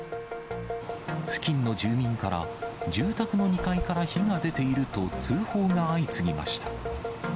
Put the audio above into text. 付近の住民から、住宅の２階から火が出ていると通報が相次ぎました。